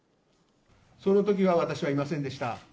そのときは私はいませんでした。